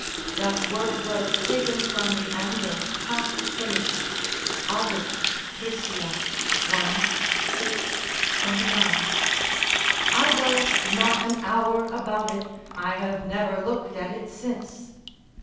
["That work was taken from the anvil half finished." Ovid, Trist., i. 6, 29.] I was not an hour about it: I have never looked at it since."